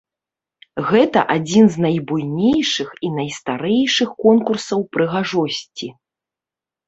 Гэта адзін з найбуйнейшых і найстарэйшых конкурсаў прыгажосці.